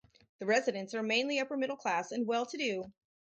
The residents are mainly upper middle class and well to do.